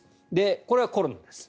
これはコロナです。